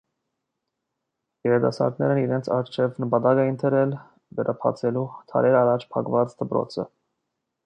Երիտասարդներն իրենց առջև նպատակ էին դրել՝ վերաբացելու դարեր առաջ փակված դպրոցը։